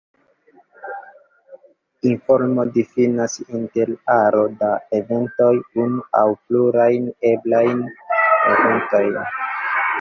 Informo difinas, inter aro da eventoj, unu aŭ plurajn eblajn eventojn.